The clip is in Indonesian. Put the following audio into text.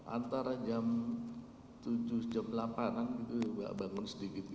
antara jam tujuh jam lapanan gitu bangun sedikit